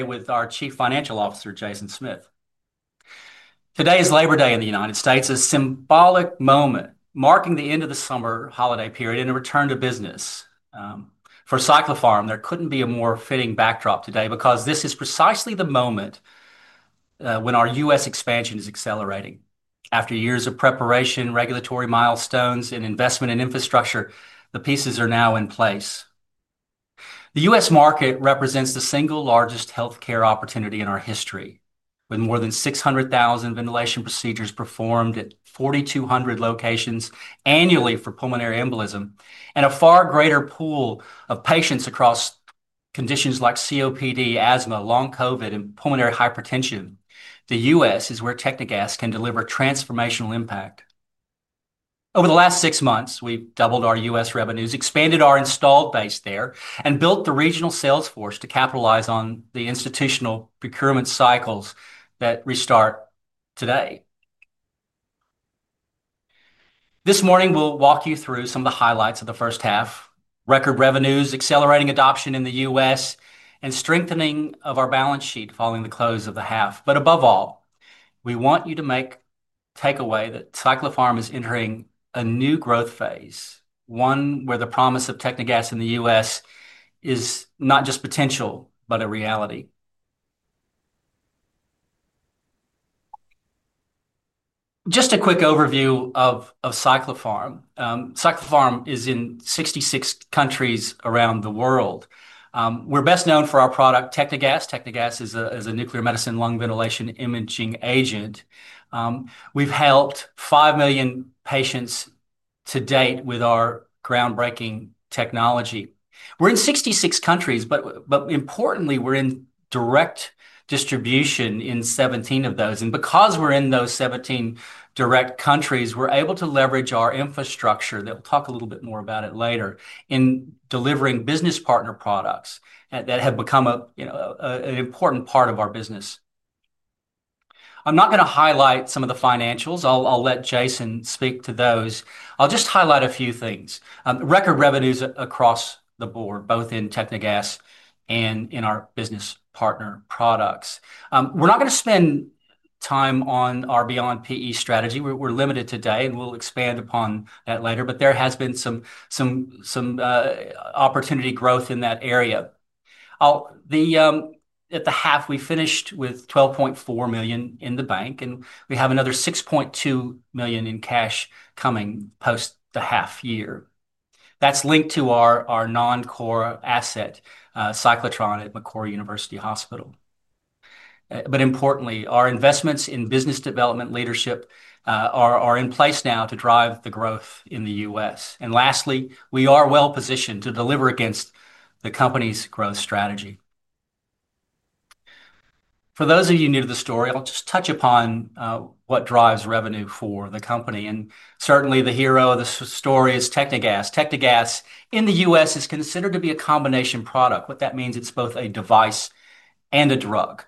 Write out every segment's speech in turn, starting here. With our Chief Financial Officer, Jason Smith. Today is Labor Day in the U.S., a symbolic moment marking the end of the summer holiday period and a return to business. For Cyclopharm, there couldn't be a more fitting backdrop today because this is precisely the moment when our U.S. expansion is accelerating. After years of preparation, regulatory milestones, and investment in infrastructure, the pieces are now in place. The U.S. market represents the single largest healthcare opportunity in our history, with more than 600,000 ventilation procedures performed at 4,200 locations annually for pulmonary embolism and a far greater pool of patients across conditions like COPD, asthma, long COVID, and pulmonary hypertension. The U.S. is where Technegas can deliver transformational impact. Over the last six months, we've doubled our U.S. revenues, expanded our installed base there, and built the regional sales force to capitalize on the institutional procurement cycles that restart today. This morning, we'll walk you through some of the highlights of the first half: record revenues, accelerating adoption in the U.S., and strengthening of our balance sheet following the close of the half. Above all, we want you to take away that Cyclopharm is entering a new growth phase, one where the promise of Technegas in the U.S. is not just potential but a reality. Just a quick overview of Cyclopharm. Cyclopharm is in 66 countries around the world. We're best known for our product, Technegas. Technegas is a nuclear medicine lung ventilation imaging agent. We've helped 5 million patients to date with our groundbreaking technology. We're in 66 countries, but importantly, we're in direct distribution in 17 of those. Because we're in those 17 direct countries, we're able to leverage our infrastructure that we'll talk a little bit more about later in delivering business partner products that have become an important part of our business. I'm not going to highlight some of the financials. I'll let Jason speak to those. I'll just highlight a few things: record revenues across the board, both in Technegas and in our business partner products. We're not going to spend time on our Beyond PE strategy. We're limited today, and we'll expand upon that later. There has been some opportunity growth in that area. At the half, we finished with $12.4 million in the bank, and we have another $6.2 million in cash coming post the half year. That's linked to our non-core asset, Cyclotron at McCourt University Hospital. Importantly, our investments in business development leadership are in place now to drive the growth in the U.S. Lastly, we are well positioned to deliver against the company's growth strategy. For those of you new to the story, I'll just touch upon what drives revenue for the company. Certainly, the hero of the story is Technegas. Technegas in the U.S. is considered to be a combination product. What that means is it's both a device and a drug.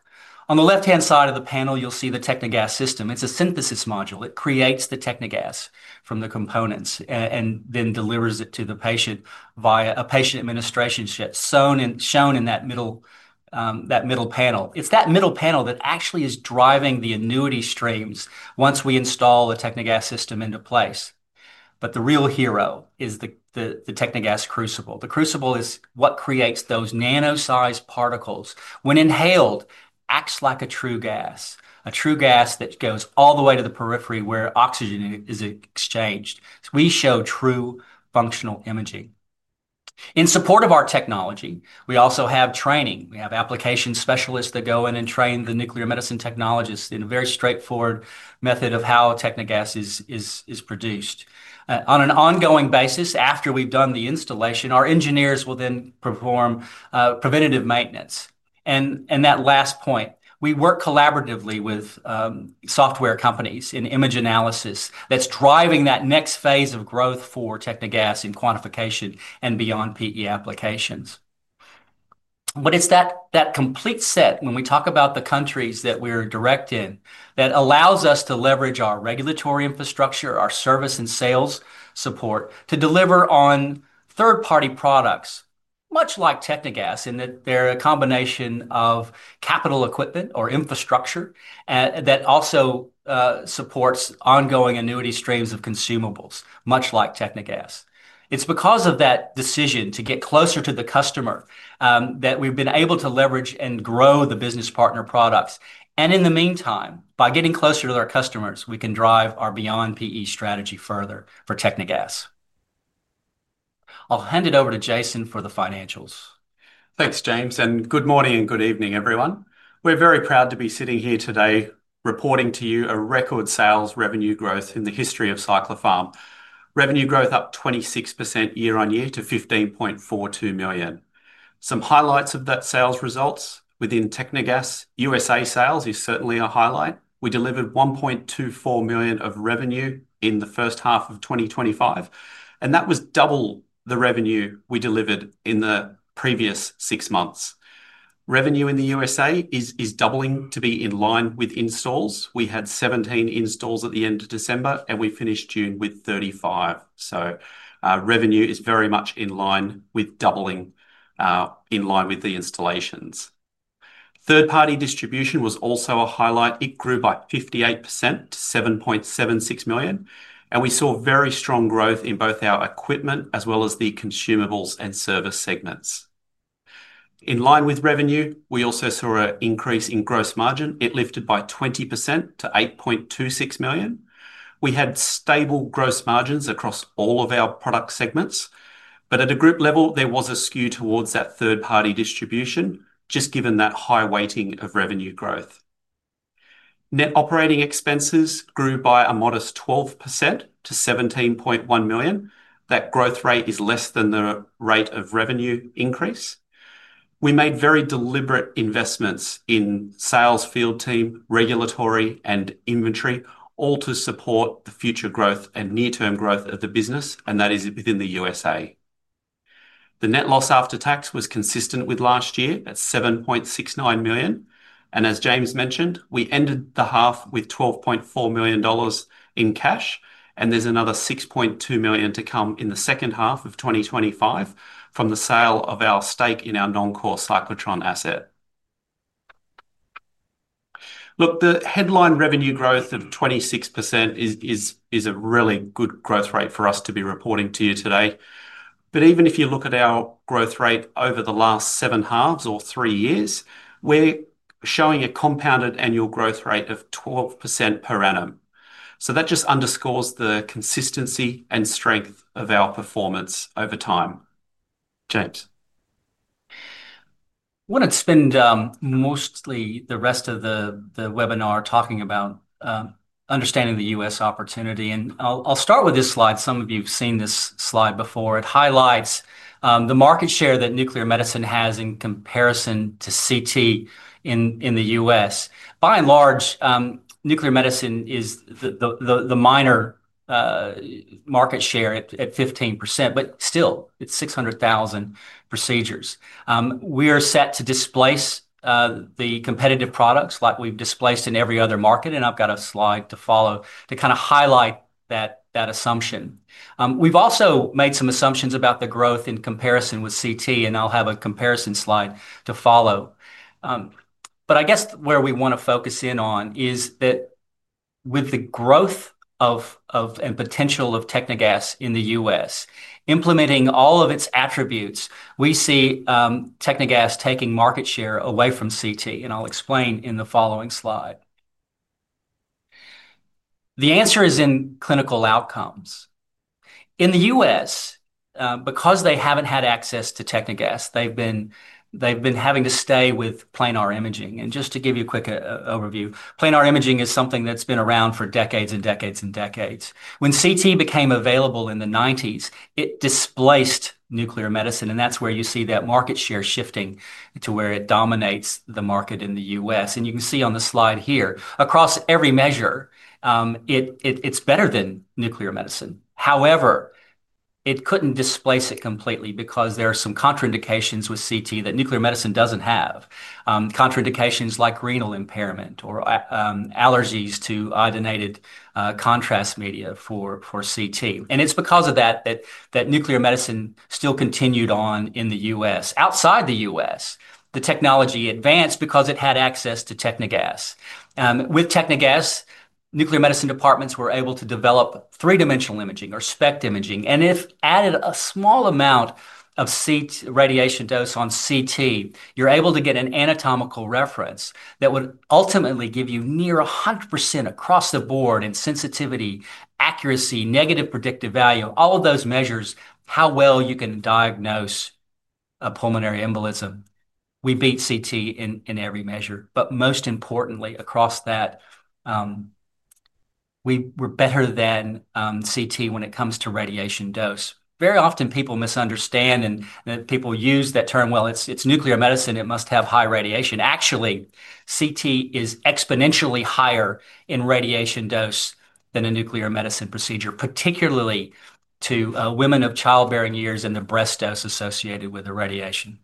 On the left-hand side of the panel, you'll see the Technegas system. It's a synthesis module. It creates the Technegas from the components and then delivers it to the patient via a patient administration ship shown in that middle panel. It's that middle panel that actually is driving the annuity streams once we install a Technegas system into place. The real hero is the Technegas crucible. The crucible is what creates those nano-sized particles. When inhaled, it acts like a true gas, a true gas that goes all the way to the periphery where oxygen is exchanged. We show true functional imaging. In support of our technology, we also have training. We have application specialists that go in and train the nuclear medicine technologists in a very straightforward method of how Technegas is produced. On an ongoing basis, after we've done the installation, our engineers will then perform preventative maintenance. That last point, we work collaboratively with software companies in image analysis that's driving that next phase of growth for Technegas in quantification and Beyond PE applications. It's that complete set when we talk about the countries that we're direct in that allows us to leverage our regulatory infrastructure, our service and sales support to deliver on third-party products, much like Technegas, in that they're a combination of capital equipment or infrastructure that also supports ongoing annuity streams of consumables, much like Technegas. It's because of that decision to get closer to the customer that we've been able to leverage and grow the business partner products. In the meantime, by getting closer to our customers, we can drive our Beyond PE strategy further for Technegas. I'll hand it over to Jason for the financials. Thanks, James, and good morning and good evening, everyone. We're very proud to be sitting here today reporting to you a record sales revenue growth in the history of Cyclopharm Limited. Revenue growth up 26% year on year to $15.42 million. Some highlights of that sales results within Technegas: U.S. sales is certainly a highlight. We delivered $1.24 million of revenue in the first half of 2025, and that was double the revenue we delivered in the previous six months. Revenue in the U.S. is doubling to be in line with installs. We had 17 installs at the end of December, and we finished June with 35. Revenue is very much in line with doubling in line with the installations. Third-party distribution was also a highlight. It grew by 58% to $7.76 million, and we saw very strong growth in both our equipment as well as the consumables and service segments. In line with revenue, we also saw an increase in gross margin. It lifted by 20% to $8.26 million. We had stable gross margins across all of our product segments, but at a group level, there was a skew towards that third-party distribution, just given that high weighting of revenue growth. Net operating expenses grew by a modest 12% to $17.1 million. That growth rate is less than the rate of revenue increase. We made very deliberate investments in sales, field team, regulatory, and inventory, all to support the future growth and near-term growth of the business, and that is within the U.S. The net loss after tax was consistent with last year at $7.69 million. As James mentioned, we ended the half with $12.4 million in cash, and there's another $6.2 million to come in the second half of 2025 from the sale of our stake in our non-core Cyclotron asset. The headline revenue growth of 26% is a really good growth rate for us to be reporting to you today. Even if you look at our growth rate over the last seven halves or three years, we're showing a compounded annual growth rate of 12% per annum. That just underscores the consistency and strength of our performance over time. James. I want to spend mostly the rest of the webinar talking about understanding the U.S. opportunity. I'll start with this slide. Some of you have seen this slide before. It highlights the market share that nuclear medicine has in comparison to CT in the U.S. By and large, nuclear medicine is the minor market share at 15%, but still, it's 600,000 procedures. We are set to displace the competitive products like we've displaced in every other market, and I've got a slide to follow to kind of highlight that assumption. We've also made some assumptions about the growth in comparison with CT, and I'll have a comparison slide to follow. I guess where we want to focus in on is that with the growth and potential of Technegas in the U.S., implementing all of its attributes, we see Technegas taking market share away from CT, and I'll explain in the following slide. The answer is in clinical outcomes. In the U.S., because they haven't had access to Technegas, they've been having to stay with planar imaging. Just to give you a quick overview, planar imaging is something that's been around for decades and decades and decades. When CT became available in the 1990s, it displaced nuclear medicine, and that's where you see that market share shifting to where it dominates the market in the U.S. You can see on the slide here, across every measure, it's better than nuclear medicine. However, it couldn't displace it completely because there are some contraindications with CT that nuclear medicine doesn't have, contraindications like renal impairment or allergies to iodinated contrast media for CT. It's because of that that nuclear medicine still continued on in the U.S. Outside the U.S., the technology advanced because it had access to Technegas. With Technegas, nuclear medicine departments were able to develop three-dimensional imaging or SPECT imaging. If you added a small amount of radiation dose on CT, you're able to get an anatomical reference that would ultimately give you near 100% across the board in sensitivity, accuracy, negative predictive value, all of those measures, how well you can diagnose a pulmonary embolism. We beat CT in every measure. Most importantly, across that, we were better than CT when it comes to radiation dose. Very often, people misunderstand and people use that term, well, it's nuclear medicine, it must have high radiation. Actually, CT is exponentially higher in radiation dose than a nuclear medicine procedure, particularly to women of childbearing years and the breast dose associated with the radiation.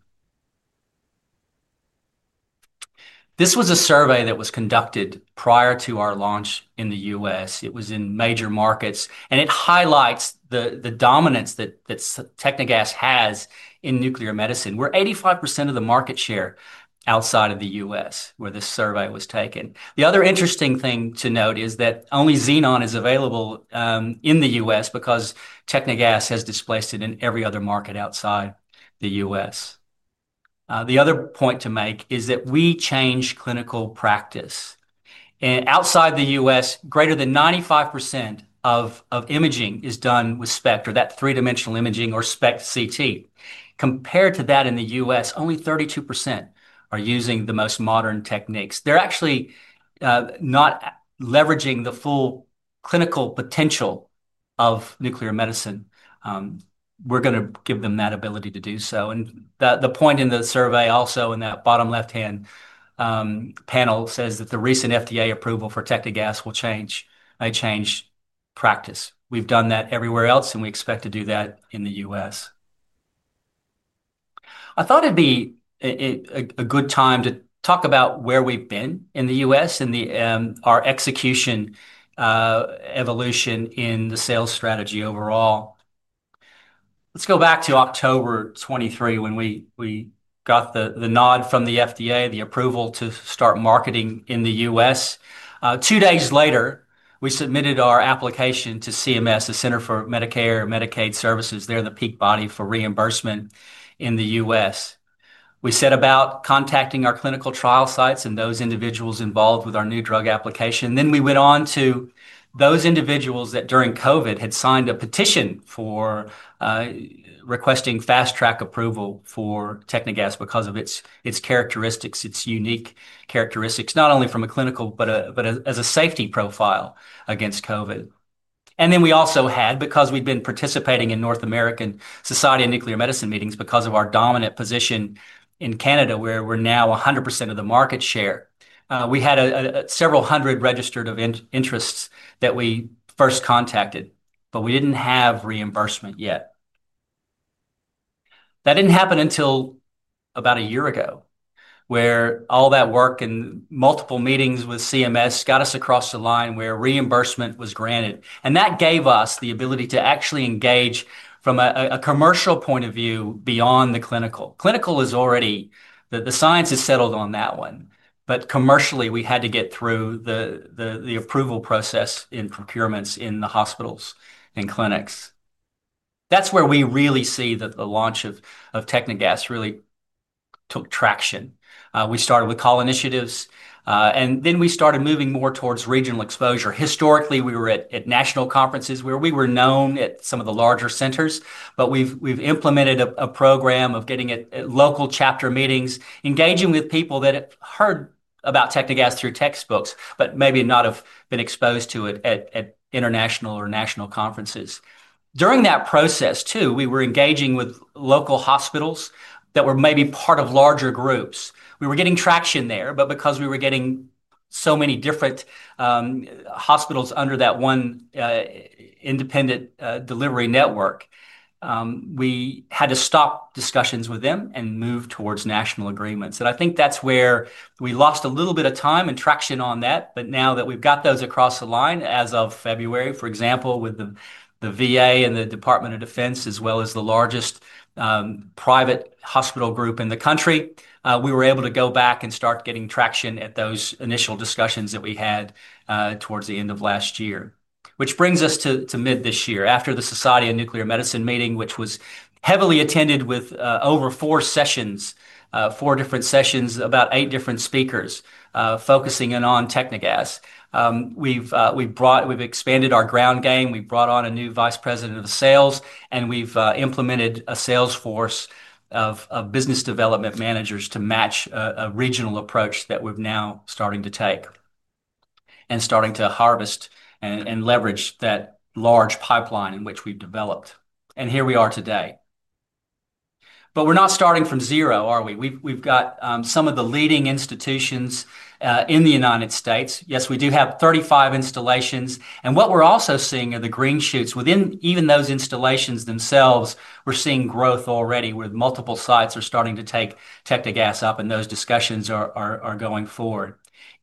This was a survey that was conducted prior to our launch in the U.S. It was in major markets, and it highlights the dominance that Technegas has in nuclear medicine. We're 85% of the market share outside of the U.S. where this survey was taken. The other interesting thing to note is that only Xenon is available in the U.S. because Technegas has displaced it in every other market outside the U.S. The other point to make is that we change clinical practice. Outside the U.S., greater than 95% of imaging is done with SPECT or that three-dimensional imaging or SPECT CT. Compared to that in the U.S., only 32% are using the most modern techniques. They're actually not leveraging the full clinical potential of nuclear medicine. We're going to give them that ability to do so. The point in the survey also in that bottom left-hand panel says that the recent FDA approval for Technegas will change practice. We've done that everywhere else, and we expect to do that in the U.S. I thought it'd be a good time to talk about where we've been in the U.S. and our execution evolution in the sales strategy overall. Let's go back to October 2023, when we got the nod from the FDA, the approval to start marketing in the U.S. Two days later, we submitted our application to CMS, the Centers for Medicare & Medicaid Services. They're the peak body for reimbursement in the U.S. We set about contacting our clinical trial sites and those individuals involved with our new drug application. We went on to those individuals that during COVID had signed a petition requesting fast-track approval for Technegas because of its characteristics, its unique characteristics, not only from a clinical but as a safety profile against COVID. We also had, because we'd been participating in North American Society of Nuclear Medicine meetings because of our dominant position in Canada, where we're now 100% of the market share, several hundred registered of interests that we first contacted, but we didn't have reimbursement yet. That didn't happen until about a year ago, where all that work and multiple meetings with CMS got us across the line where reimbursement was granted. That gave us the ability to actually engage from a commercial point of view beyond the clinical. Clinical is already, the science is settled on that one. Commercially, we had to get through the approval process in procurements in the hospitals and clinics. That's where we really see that the launch of Technegas really took traction. We started with call initiatives, and then we started moving more towards regional exposure. Historically, we were at national conferences where we were known at some of the larger centers, but we've implemented a program of getting at local chapter meetings, engaging with people that heard about Technegas through textbooks, but maybe not have been exposed to it at international or national conferences. During that process, too, we were engaging with local hospitals that were maybe part of larger groups. We were getting traction there, but because we were getting so many different hospitals under that one independent delivery network, we had to stop discussions with them and move towards national agreements. I think that's where we lost a little bit of time and traction on that. Now that we've got those across the line as of February, for example, with the Department of Veterans Affairs and the Department of Defense, as well as the largest private hospital group in the country, we were able to go back and start getting traction at those initial discussions that we had towards the end of last year, which brings us to mid this year, after the Society of Nuclear Medicine meeting, which was heavily attended with over four sessions, four different sessions, about eight different speakers focusing in on Technegas. We've expanded our ground game. We've brought on a new Vice President of Sales, and we've implemented a sales force of business development managers to match a regional approach that we're now starting to take and starting to harvest and leverage that large pipeline in which we've developed. Here we are today. We're not starting from zero, are we? We've got some of the leading institutions in the United States. Yes, we do have 35 installations. What we're also seeing are the green shoots within even those installations themselves. We're seeing growth already where multiple sites are starting to take Technegas up, and those discussions are going forward.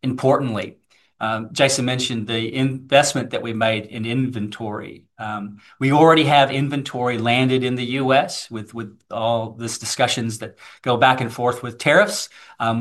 Importantly, Jason mentioned the investment that we made in inventory. We already have inventory landed in the U.S. with all these discussions that go back and forth with tariffs.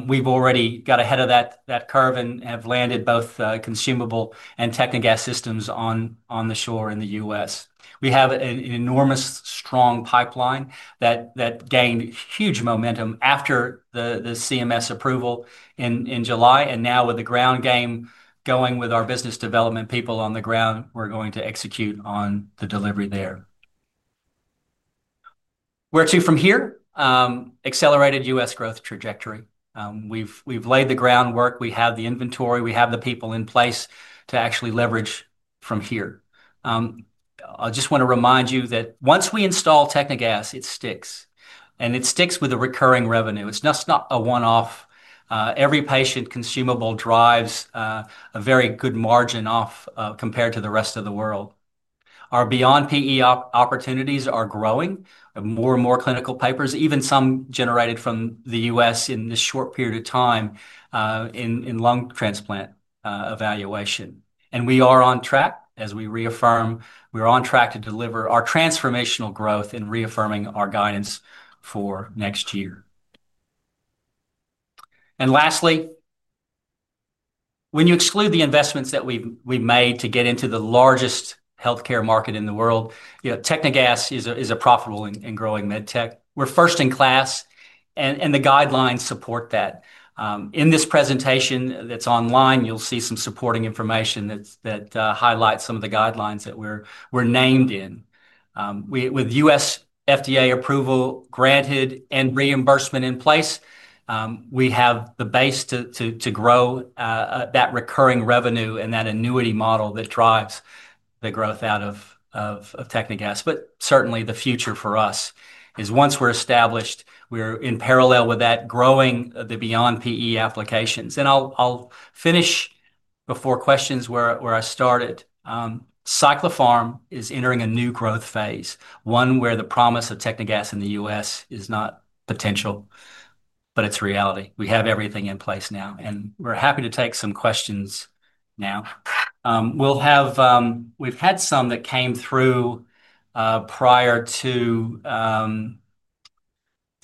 We've already got ahead of that curve and have landed both consumable and Technegas systems on the shore in the U.S. We have an enormous strong pipeline that gained huge momentum after the CMS approval in July. Now, with the ground game going with our business development people on the ground, we're going to execute on the delivery there. Where to from here? Accelerated U.S. growth trajectory. We've laid the groundwork. We have the inventory. We have the people in place to actually leverage from here. I just want to remind you that once we install Technegas, it sticks, and it sticks with a recurring revenue. It's not a one-off. Every patient consumable drives a very good margin off compared to the rest of the world. Our Beyond PE opportunities are growing. More and more clinical papers, even some generated from the U.S. in this short period of time in lung transplant evaluation. We are on track, as we reaffirm, we're on track to deliver our transformational growth and reaffirming our guidance for next year. Lastly, when you exclude the investments that we've made to get into the largest healthcare market in the world, Technegas is a profitable and growing medtech. We're first in class, and the guidelines support that. In this presentation that's online, you'll see some supporting information that highlights some of the guidelines that we're named in. With U.S. FDA approval granted and reimbursement in place, we have the base to grow that recurring revenue and that annuity model that drives the growth out of Technegas. Certainly, the future for us is once we're established, we're in parallel with that growing the Beyond PE applications. I'll finish before questions where I started. Cyclopharm Limited is entering a new growth phase, one where the promise of Technegas in the U.S. is not potential, but it's reality. We have everything in place now, and we're happy to take some questions now. We've had some that came through prior to the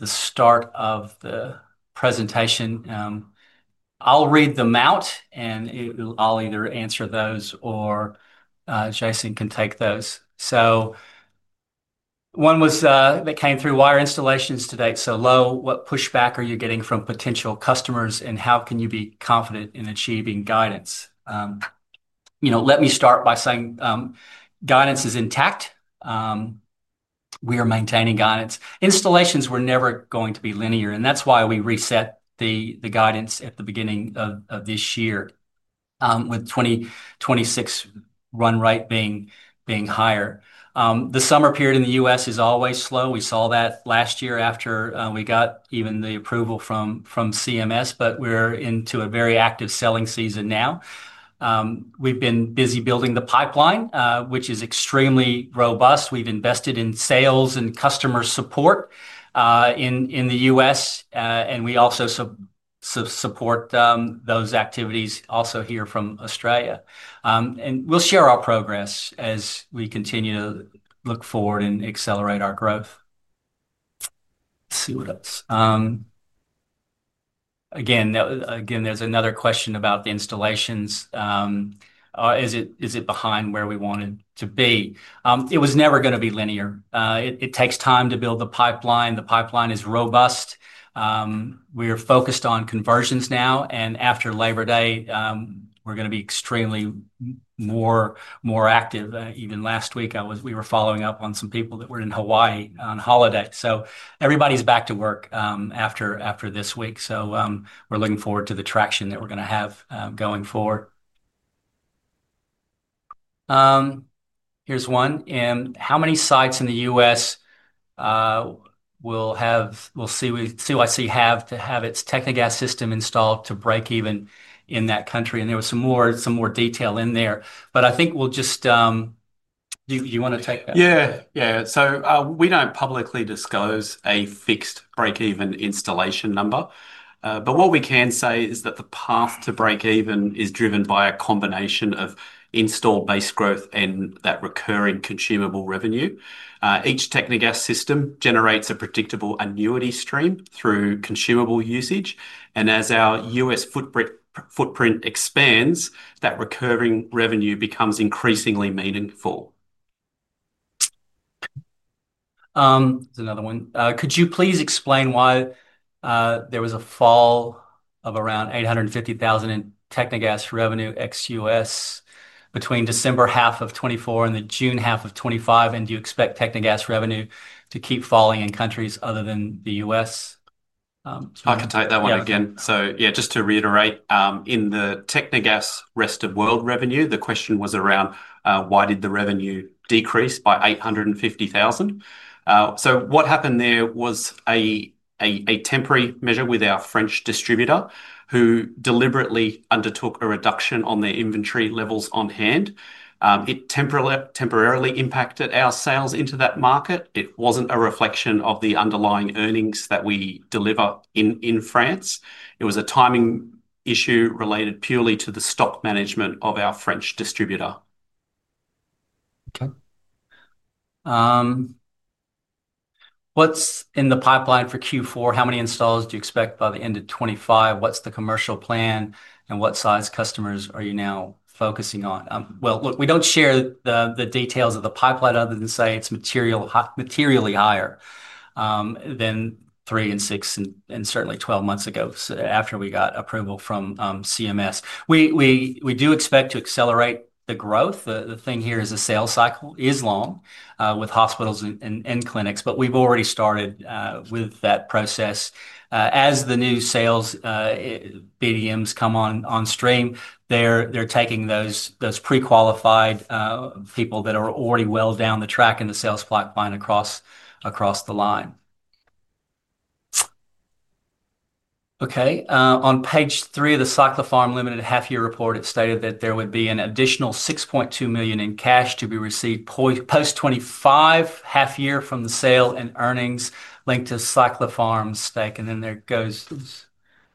start of the presentation. I'll read them out, and I'll either answer those or Jason can take those. One was that came through, "Why are installations to date so low? What pushback are you getting from potential customers, and how can you be confident in achieving guidance?" Let me start by saying guidance is intact. We are maintaining guidance. Installations were never going to be linear, and that's why we reset the guidance at the beginning of this year with 2026 run rate being higher. The summer period in the U.S. is always slow. We saw that last year after we got even the approval from CMS, but we're into a very active selling season now. We've been busy building the pipeline, which is extremely robust. We've invested in sales and customer support in the U.S., and we also support those activities also here from Australia. We'll share our progress as we continue to look forward and accelerate our growth. Let's see what else. Again, there's another question about the installations. Is it behind where we wanted to be? It was never going to be linear. It takes time to build the pipeline. The pipeline is robust. We are focused on conversions now, and after Labor Day, we're going to be extremely more active. Even last week, we were following up on some people that were in Hawaii on holiday. Everybody's back to work after this week. We're looking forward to the traction that we're going to have going forward. Here's one. How many sites in the U.S. will Cyclopharm Limited have to have its Technegas system installed to break even in that country? There was some more detail in there. I think we'll just, do you want to take that? Yeah, yeah. We don't publicly disclose a fixed break-even installation number. What we can say is that the path to break even is driven by a combination of install-based growth and that recurring consumable revenue. Each Technegas system generates a predictable annuity stream through consumable usage. As our U.S. footprint expands, that recurring revenue becomes increasingly meaningful. Here's another one. Could you please explain why there was a fall of around $850,000 in Technegas revenue ex-U.S. between December half of 2024 and the June half of 2025? Do you expect Technegas revenue to keep falling in countries other than the U.S.? I can take that one again. Just to reiterate, in the Technegas rest of world revenue, the question was around why did the revenue decrease by $850,000. What happened there was a temporary measure with our French distributor who deliberately undertook a reduction on their inventory levels on hand. It temporarily impacted our sales into that market. It wasn't a reflection of the underlying earnings that we deliver in France. It was a timing issue related purely to the stock management of our French distributor. Okay. What's in the pipeline for Q4? How many installs do you expect by the end of 2025? What's the commercial plan? What size customers are you now focusing on? We don't share the details of the pipeline other than to say it's materially higher than three and six and certainly 12 months ago after we got approval from CMS. We do expect to accelerate the growth. The thing here is the sales cycle is long with hospitals and clinics, but we've already started with that process. As the new sales BDMs come on stream, they're taking those pre-qualified people that are already well down the track in the sales pipeline across the line. On page three of the Cyclopharm Limited half-year report, it stated that there would be an additional $6.2 million in cash to be received post 2025 half-year from the sale and earnings linked to Cyclopharm's stake. There goes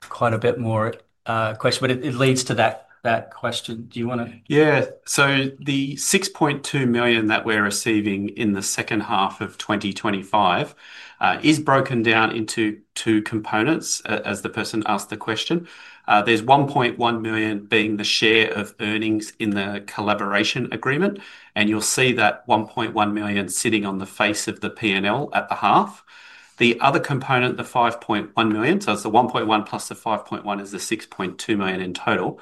quite a bit more questions, but it leads to that question. Do you want to? Yeah. The $6.2 million that we're receiving in the second half of 2025 is broken down into two components as the person asked the question. There's $1.1 million being the share of earnings in the collaboration agreement, and you'll see that $1.1 million sitting on the face of the P&L at the half. The other component, the $5.1 million, so it's the $1.1 million plus the $5.1 million is the $6.2 million in total.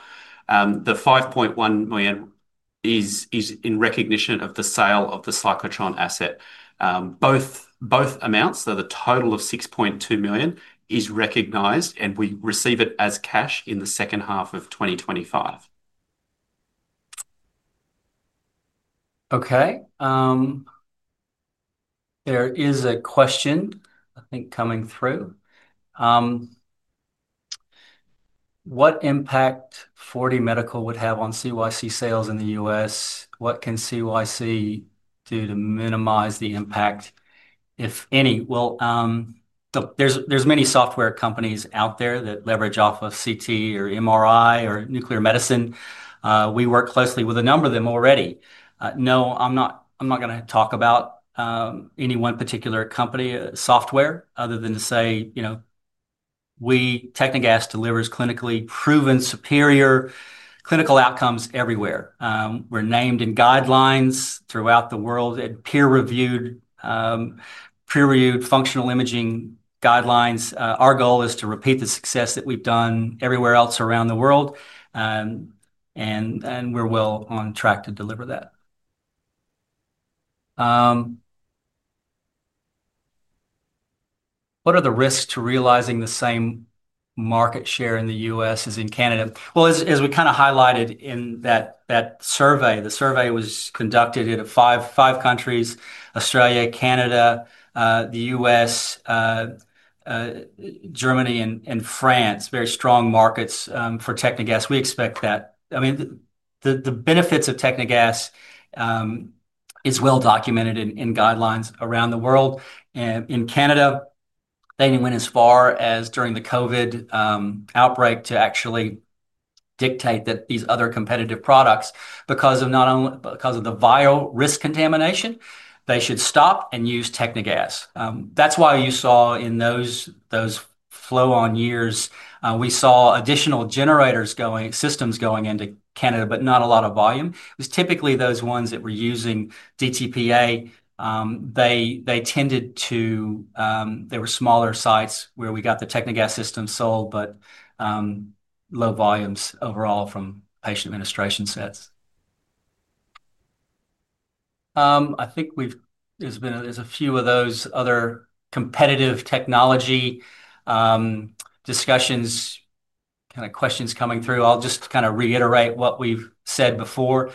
The $5.1 million is in recognition of the sale of the Cyclotron asset. Both amounts, so the total of $6.2 million is recognized, and we receive it as cash in the second half of 2025. Okay. There is a question, I think, coming through. What impact 4D Medical would have on CYC sales in the U.S.? What can CYC do to minimize the impact, if any? There are many software companies out there that leverage off of CT or MRI or nuclear medicine. We work closely with a number of them already. No, I'm not going to talk about any one particular company software other than to say, you know, we, Technegas, deliver clinically proven superior clinical outcomes everywhere. We're named in guidelines throughout the world and peer-reviewed functional imaging guidelines. Our goal is to repeat the success that we've done everywhere else around the world, and we're well on track to deliver that. What are the risks to realizing the same market share in the U.S. as in Canada? As we kind of highlighted in that survey, the survey was conducted in five countries: Australia, Canada, the U.S., Germany, and France. Very strong markets for Technegas. We expect that. The benefits of Technegas are well documented in guidelines around the world. In Canada, they didn't even win as far as during the COVID outbreak to actually dictate that these other competitive products, because of not only because of the viral risk contamination, they should stop and use Technegas. That's why you saw in those flow-on years, we saw additional generators going, systems going into Canada, but not a lot of volume. It was typically those ones that were using DTPA. They tended to, there were smaller sites where we got the Technegas system sold, but low volumes overall from patient administration sets. I think there's a few of those other competitive technology discussions, kind of questions coming through. I'll just kind of reiterate what we've said before.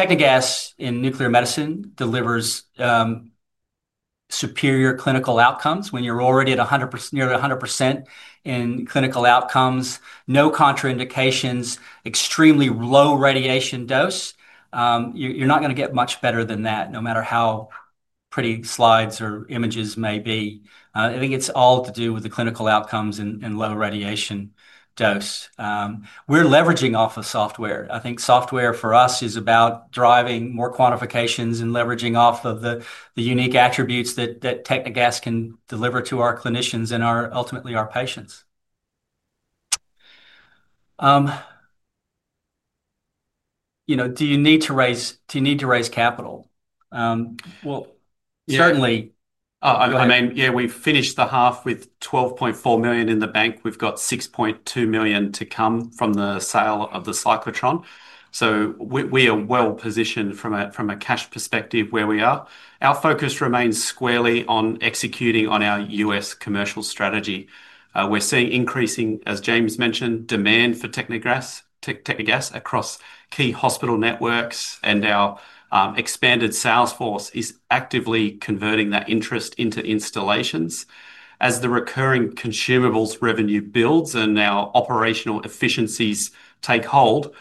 Technegas in nuclear medicine delivers superior clinical outcomes when you're already at 100%, nearly 100% in clinical outcomes. No contraindications, extremely low radiation dose. You're not going to get much better than that, no matter how pretty slides or images may be. I think it's all to do with the clinical outcomes and low radiation dose. We're leveraging off of software. I think software for us is about driving more quantifications and leveraging off of the unique attributes that Technegas can deliver to our clinicians and ultimately our patients. Do you need to raise capital? Certainly. Yeah, we finished the half with $12.4 million in the bank. We've got $6.2 million to come from the sale of the Cyclotron. We are well positioned from a cash perspective where we are. Our focus remains squarely on executing on our U.S. commercial strategy. We're seeing increasing, as James mentioned, demand for Technegas across key hospital networks, and our expanded sales force is actively converting that interest into installations. As the recurring consumables revenue builds and our operational efficiencies take hold,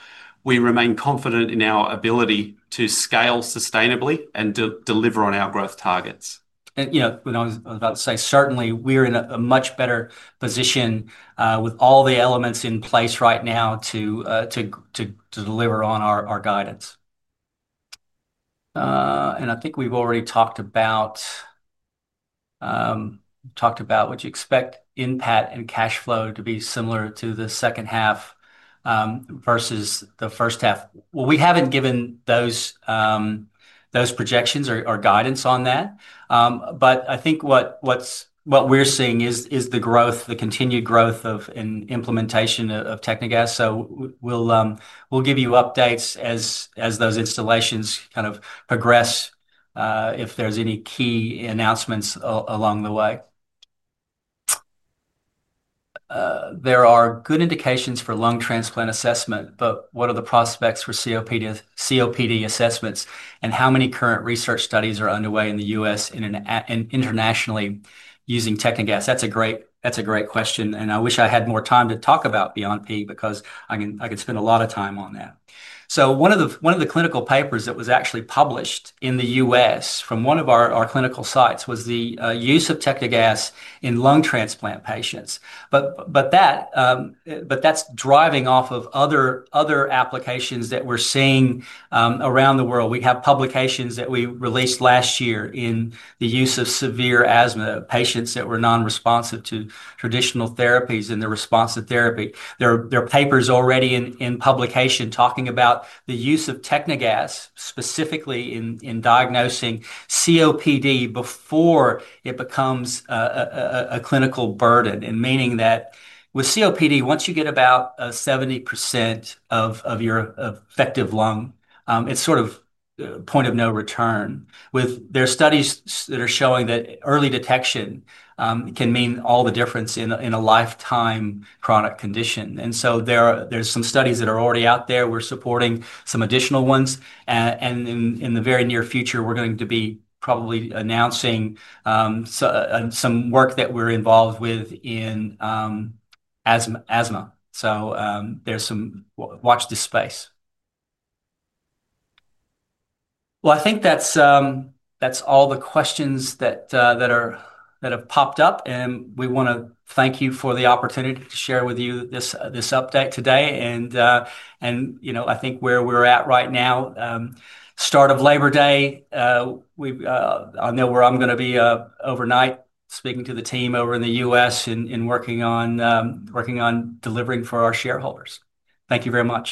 we remain confident in our ability to scale sustainably and deliver on our growth targets. Certainly, we're in a much better position with all the elements in place right now to deliver on our guidance. I think we've already talked about what you expect impact and cash flow to be similar to the second half versus the first half. We haven't given those projections or guidance on that. I think what we're seeing is the growth, the continued growth in implementation of Technegas. We'll give you updates as those installations progress, if there's any key announcements along the way. There are good indications for lung transplant assessment. What are the prospects for COPD assessments and how many current research studies are underway in the U.S. and internationally using Technegas? That's a great question. I wish I had more time to talk about Beyond PE because I could spend a lot of time on that. One of the clinical papers that was actually published in the U.S. from one of our clinical sites was the use of Technegas in lung transplant patients. That's driving off of other applications that we're seeing around the world. We have publications that we released last year in the use of severe asthma patients that were non-responsive to traditional therapies and the response to therapy. There are papers already in publication talking about the use of Technegas specifically in diagnosing COPD before it becomes a clinical burden. With COPD, once you get about 70% of your effective lung, it's sort of point of no return. There are studies that are showing that early detection can mean all the difference in a lifetime chronic condition. There are some studies that are already out there. We're supporting some additional ones. In the very near future, we're going to be probably announcing some work that we're involved with in asthma. Watch this space. I think that's all the questions that have popped up. We want to thank you for the opportunity to share with you this update today. I think where we're at right now, start of Labor Day, I know where I'm going to be overnight speaking to the team over in the U.S. and working on delivering for our shareholders. Thank you very much.